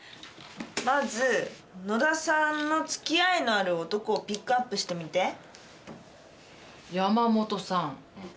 まず野田さんのつきあいのある男をピックアップしてみて。